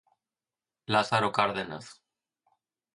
Lázaro Cárdenas".